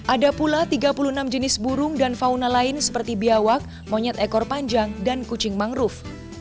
ada pula tiga puluh enam jenis burung dan fauna lain seperti biawak monyet ekor panjang dan kucing mangrove